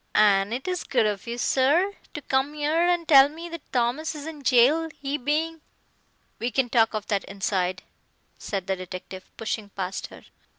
"An' it is good of you, sir, to come 'ere and tell me that Thomas is in jail, he being " "We can talk of that inside," said the detective, pushing past her.